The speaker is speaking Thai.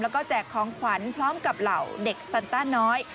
แล้วก็แจกของขวัญพร้อมกับเหล่าเด็กซันต้าน้อย